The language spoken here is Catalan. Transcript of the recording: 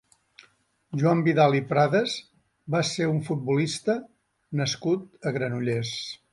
Joan Vidal i Prades va ser un futbolista nascut a Granollers.